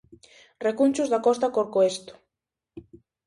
Recunchos da Costa Corcoesto.